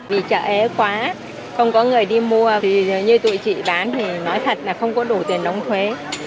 vì chợ ế khóa không có người đi mua thì dường như tụi chị bán thì nói thật là không có đủ tiền đóng thuế